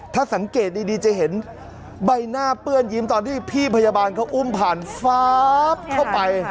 ถ้าสังเกตดีจะเห็นใบหน้าเปื้อนยิ้มตอนที่พี่พยาบาลเขาอุ้มผ่านฟ้าเข้าไป